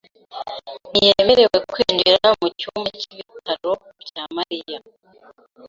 ntiyemerewe kwinjira mu cyumba cy’ibitaro bya Mariya.